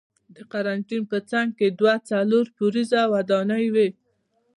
د قرنتین په څنګ کې دوه څلور پوړیزه ودانۍ وې.